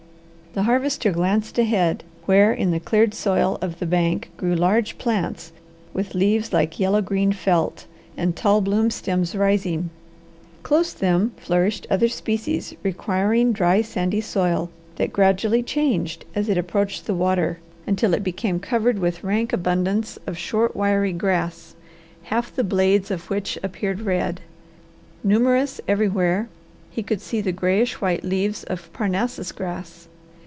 The Harvester glanced ahead, where in the cleared soil of the bank grew large plants with leaves like yellow green felt and tall bloom stems rising. Close them flourished other species requiring dry sandy soil, that gradually changed as it approached the water until it became covered with rank abundance of short, wiry grass, half the blades of which appeared red. Numerous everywhere he could see the grayish white leaves of Parnassus grass.